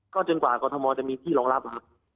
ก็จนกว่ากอร์ธมอลจะมีที่รองรับนะครับ